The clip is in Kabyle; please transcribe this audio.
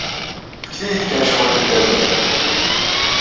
Fket-iyi-d kan cwiṭ n tallunt.